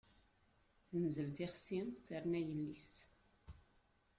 Temzel tixsi, terna yelli-s.